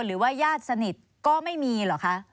หรือว่าญาติสนิทก็ไม่มีเหรอคะ